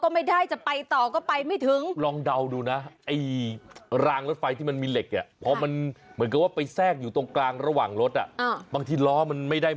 มันจะไปข้างหน้าก็ไปไม่ได้